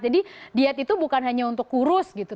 jadi diet itu bukan hanya untuk kurus gitu